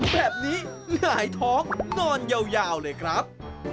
แบบนี้หงายท้องนอนยาวเลยครับ